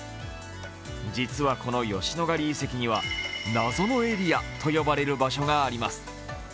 実はこの吉野ヶ里遺跡には謎のエリアと呼ばれる場所があります。